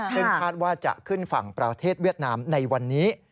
ซึ่งคาดว่าจะขึ้นฝั่งประเทศเวียดนามในวันนี้